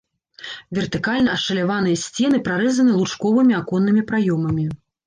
Вертыкальна ашаляваныя сцены прарэзаны лучковымі аконнымі праёмамі.